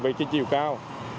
về chiều cao